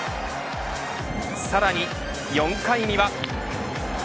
さらに４回には。